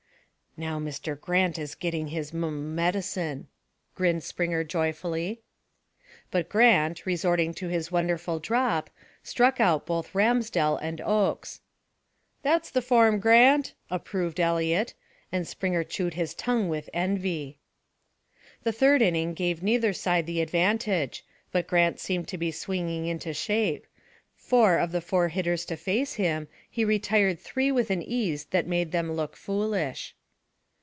"Now, Mr. Grant is getting his mum medicine," grinned Springer joyfully. But Grant, resorting to his wonderful drop, struck out both Ramsdell and Oakes. "That's the form, Grant!" approved Eliot; and Springer chewed his tongue with envy. The third inning gave neither side the advantage, but Grant seemed to be swinging into shape; for, of the four hitters to face him, he retired three with an ease that made them look foolish.